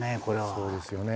そうですよね。